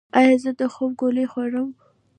ایا زه د خوب ګولۍ وخورم؟